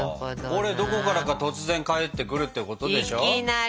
これどこからか突然帰ってくるってことでしょ？